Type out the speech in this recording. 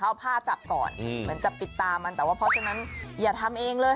เอาผ้าจับก่อนเหมือนจะปิดตามันแต่ว่าเพราะฉะนั้นอย่าทำเองเลย